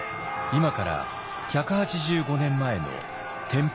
今から１８５年前の天保８年。